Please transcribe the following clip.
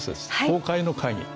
公開の会議。